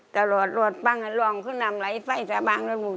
แต่รวดรวดปั๊งหรอกคึงนำไหลไส้สะบางละหุ้นจ๊ะจ๊ะ